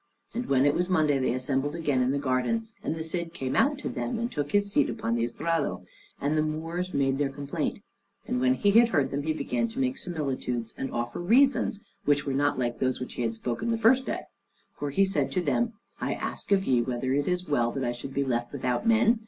And when it was Monday they assembled again in the garden, and the Cid came out to them, and took his seat upon the estrado, and the Moors made their complaint. And when he had heard them he began to make similitudes, and offer reasons which were not like those which he had spoken the first day; for he said to them, "I ask of ye, whether it is well that I should be left without men?